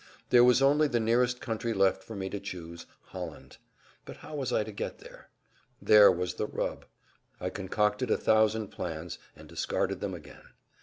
There was only the nearest country left for me to choose—Holland. But how was I to get there? There was the rub. I concocted a thousand plans and discarded them again.